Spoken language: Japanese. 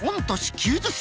９０歳。